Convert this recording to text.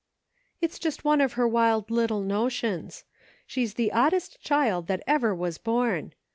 " It's just one of her wild little notions ; she's the oddest child that ever was born.